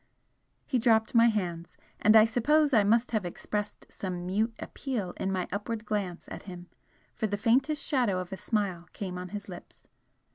He dropped my hands, and I suppose I must have expressed some mute appeal in my upward glance at him, for the faintest shadow of a smile came on his lips.